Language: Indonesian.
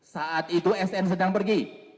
saat itu sn sedang pergi